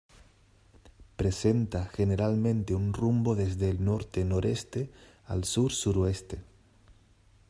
Presenta generalmente un rumbo desde el norte-noreste al sur-suroeste.